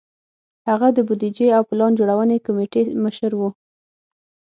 هغه د بودیجې او پلان جوړونې کمېټې مشر و.